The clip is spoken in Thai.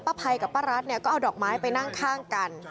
ภัยกับป้ารัฐเนี่ยก็เอาดอกไม้ไปนั่งข้างกัน